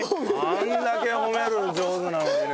あれだけ褒めるの上手なのにね。